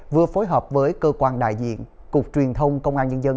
vừa phối hợp với cơ quan đại diện cục truyền thông công an nhân dân